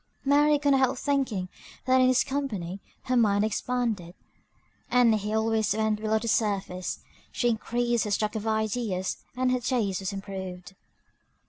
Mary could not help thinking that in his company her mind expanded, as he always went below the surface. She increased her stock of ideas, and her taste was improved.